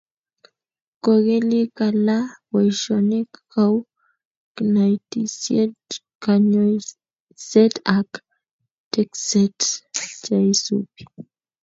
kokeny kalaa boisionik kou knaetisyet, kanyoiseet ako tekseet. Cheisupi